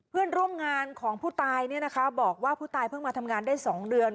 เพื่อนร่วมงานของผู้ตายบอกว่าผู้ตายเพิ่งมาทำงานได้๒เดือน